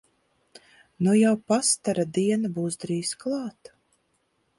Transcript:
Nu jau pastara diena būs drīz klāt!